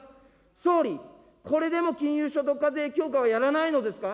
総理、これでも金融所得課税強化はやらないのですか。